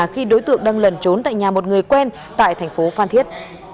khi đối tượng đang lẩn trốn tại nhà một người quen tại thành phố phan thiết